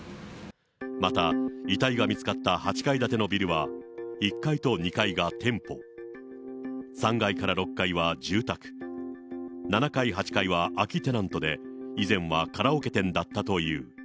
また、遺体が見つかった８階建てのビルは、１階と２階が店舗、３階から６階は住宅、７階、８階は空きテナントで、以前はカラオケ店だったという。